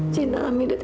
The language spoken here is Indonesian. cinta aminah tidak ada